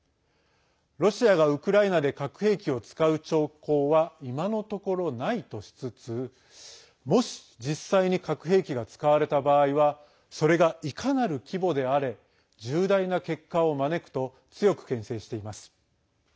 ロシアがウクライナで核兵器を使う兆候は今のところないとしつつもし、実際に核兵器が使われた場合はそれがいかなる規模であれ重大な結果を招くと強くけん制しています。